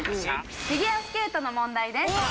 フィギュアスケートの問題です。